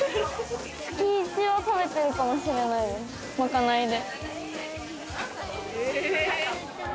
月１は食べてるかもしれない、まかないで。